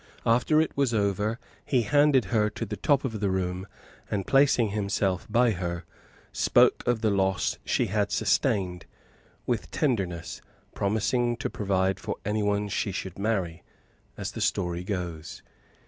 After it was over he handed her to the top of the room, and placing himself by her, spoke of the loss she had sustained, with tenderness, promising to provide for anyone she should marry, as the story goes.